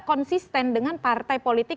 konsisten dengan partai politik